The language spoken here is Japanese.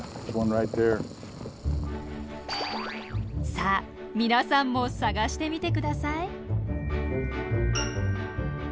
さあ皆さんも探してみて下さい。